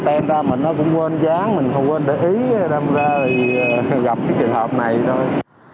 tên ra mà nó cũng quên gián mình không quên để ý làm ra thì gặp cái trường hợp này thôi